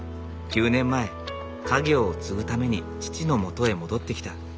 ９年前家業を継ぐために父のもとへ戻ってきた。